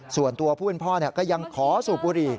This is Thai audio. ส่วนตัวผู้เป็นพ่อก็ยังขอสูบบุหรี่